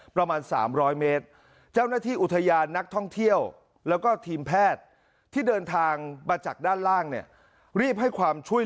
ประมาณ๓๐๐เมตรเจ้าหน้าที่อุทยานนักท่องเที่ยวแล้วก็ทีมแพทย์